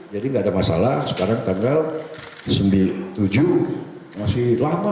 jadi gak ada masalah sekarang tanggal tujuh masih lama